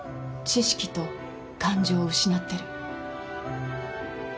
知識と感情を失ってる。